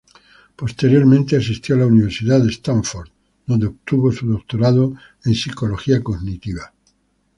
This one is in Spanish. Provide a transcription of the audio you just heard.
Posteriormente asistió a la Universidad de Stanford, donde obtuvo su doctorado en psicología cognitiva.